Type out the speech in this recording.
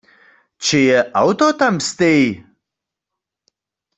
Čeje awto tam stej?